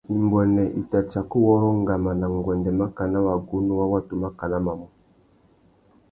Imbuênê i tà tsaka uwôrrô ngama nà nguêndê makana wagunú wa watu makana mamú.